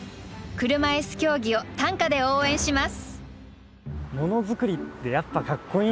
車いす競技を短歌で応援します。